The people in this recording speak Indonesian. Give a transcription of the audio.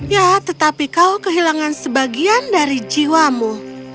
ya tetapi kau kehilangan sebagian dari jiwamu